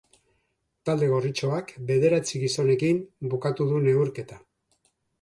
Talde gorritxoak bederatzi gizonekin bukatu du neurketa.